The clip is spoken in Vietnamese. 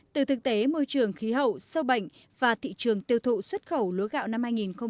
từ thực tế môi trường khí hậu sâu bệnh và thị trường tiêu thụ xuất khẩu lúa gạo năm hai nghìn một mươi tám